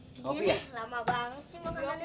ini nih lama banget sih mau kemana